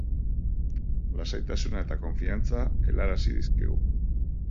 Lasaitasuna eta konfiantza helarazi dizkigu.